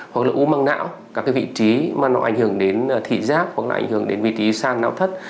hoặc là u măng não các cái vị trí mà nó ảnh hưởng đến thị giác hoặc là ảnh hưởng đến vị trí sang não thất